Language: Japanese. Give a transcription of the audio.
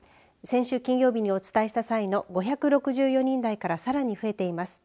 先週金曜日にお伝えした際の５６４人台からさらに増えています。